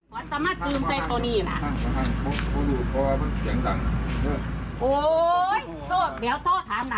ประชาชนคิดจะมาจับทำไม